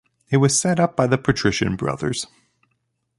It was set up by the Patrician Brothers.